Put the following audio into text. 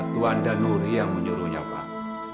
tuan danuri yang menyuruhnya pak